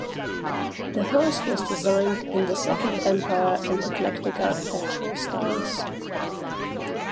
The house was designed in the Second Empire and Eclectic architectural styles.